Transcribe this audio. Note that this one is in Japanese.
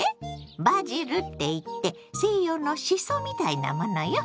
バジルって言って西洋のシソみたいなものよ。